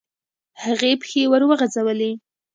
هغې پښې وروغځولې.